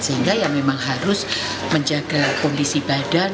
sehingga ya memang harus menjaga kondisi badan